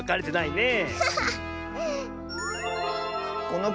ねえ。